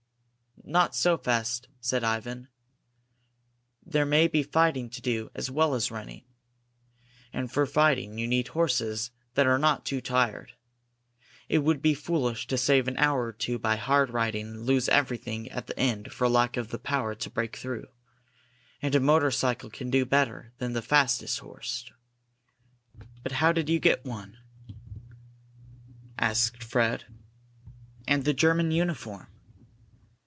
"Not so fast," said Ivan. "There may be fighting to do as well as running, and for fighting you need horses that are not too tired. It would be foolish to save an hour or two by hard riding and lose everything at the end for lack of the power to break through. And a motorcycle can do better than the fastest horse." "But how did you get one?" asked Fred. "And the German uniform?"